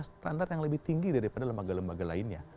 standar yang lebih tinggi daripada lembaga lembaga lainnya